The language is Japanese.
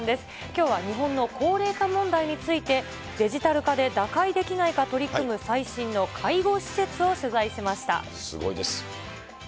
きょうは日本の高齢化問題について、デジタル化で打開できないか取り組む最新の介護施設を取材しましすごいです。